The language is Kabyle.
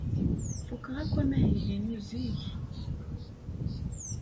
Fukeɣ akk amahil-inu zik.